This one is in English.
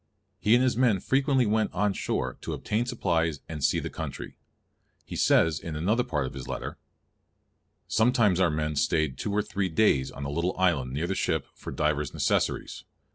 He and his men frequently went on shore to obtain supplies and see the country. He says in another part of his letter—"Sometimes our men stayed two or three daies on a little island neere the ship for divers necessaries.